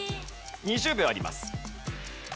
２０秒あります。